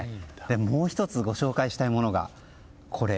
もう１つ、ご紹介したいものがこれ。